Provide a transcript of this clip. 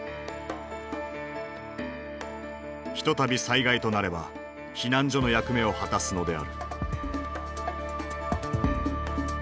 ひとたび災害となれば避難所の役目を果たすのである。